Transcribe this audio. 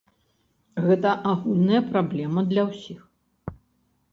Гэта агульная праблема для ўсіх.